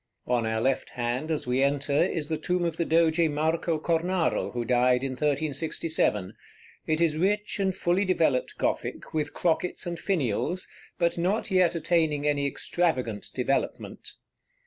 On our left hand, as we enter, is the tomb of the Doge Marco Cornaro, who died in 1367. It is rich and fully developed Gothic, with crockets and finials, but not yet attaining any extravagant developement.